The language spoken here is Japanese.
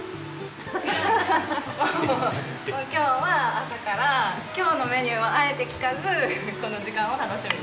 今日は朝から今日のメニューはあえて聞かずこの時間を楽しみにしてる。